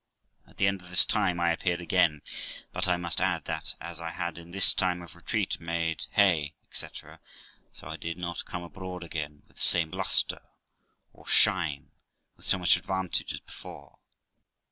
At the end of this time I appeared again ; but, I must add, that, as I had in this time of retreat made hay, etc., so I did not come abroad again with the same lustre, or shine with so much advantage as before.